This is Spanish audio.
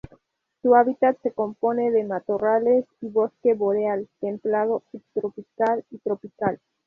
Su hábitat se compone de matorrales y bosque boreal, templado, subtropical y tropical.